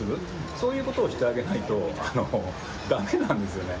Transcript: そういう事をしてあげないとダメなんですよね。